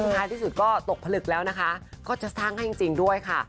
ท้ายที่สุดก็ตกผลึกแล้วนะคะก็จะสร้างให้จริงด้วยค่ะ